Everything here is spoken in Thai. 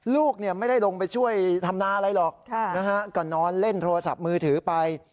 ลูกไม่ได้ลงไปช่วยทำนาอะไรหรอกก็นอนเล่นโทรศัพท์มือถือไป